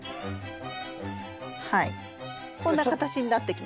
はいこんな形になってきました。